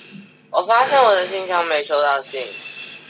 我發現我的信箱沒收到信